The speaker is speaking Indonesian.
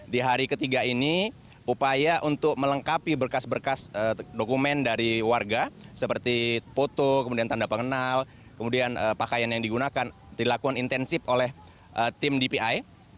di hari ketiga ini upaya untuk melengkapi berkas berkas dokumen dari warga seperti foto kemudian tanda pengenal kemudian pakaian yang digunakan dilakukan intensif oleh tim dpi